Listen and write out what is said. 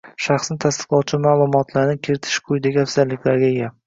Shaxsni tasdiqlovchi maʼlumotlarni kiritish quyidagi afzalliklarga ega.